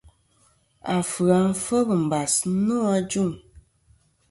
Afɨ-a fel mbas nô ajuŋ.